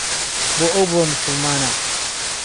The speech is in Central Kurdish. بۆ ئهو ببه موسوڵمانه